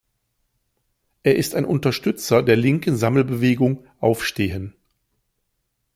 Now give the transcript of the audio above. Er ist ein Unterstützer der linken Sammelbewegung „Aufstehen“.